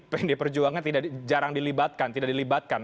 pendidik perjuangan jarang dilibatkan tidak dilibatkan